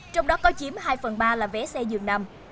trong đó có chiếm hai phần ba là vé xe dường nằm